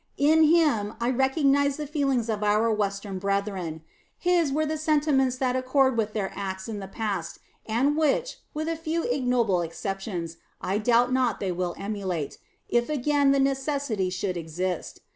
In him I recognize the feelings of our Western brethren; his were the sentiments that accord with their acts in the past, and which, with a few ignoble exceptions, I doubt not they will emulate, if again the necessity should exist.